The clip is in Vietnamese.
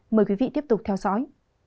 mời quý vị tiếp tục theo dõi